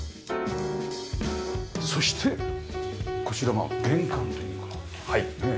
そしてこちらが玄関というかねえ。